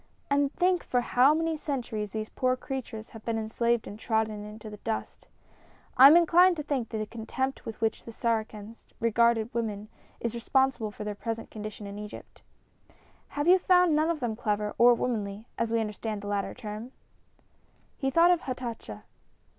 And think for how many centuries these poor creatures have been enslaved and trodden into the dust. I am inclined to think the contempt with which the Saracens regarded women is responsible for their present condition in Egypt. Have you found none of them clever or womanly, as we understand the latter term?" He thought of Hatatcha.